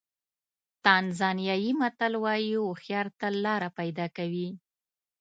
تانزانیایي متل وایي هوښیار تل لاره پیدا کوي.